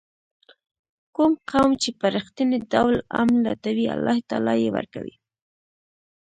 کوم قوم چې په رښتیني ډول امن لټوي الله تعالی یې ورکوي.